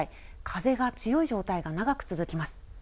風が強い状態が長く続きます。